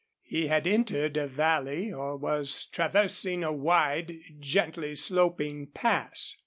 He had entered a valley or was traversing a wide, gently sloping pass.